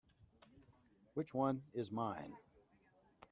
Which one is mine?